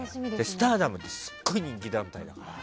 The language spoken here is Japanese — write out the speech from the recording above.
スターダムってすごい人気だから。